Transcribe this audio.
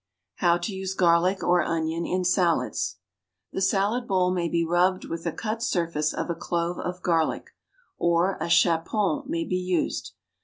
=How to Use Garlic or Onion in Salads.= The salad bowl may be rubbed with the cut surface of a clove of garlic, or a chapon may be used.